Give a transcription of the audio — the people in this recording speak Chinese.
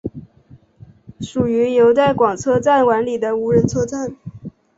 属于由带广车站管理的无人车站。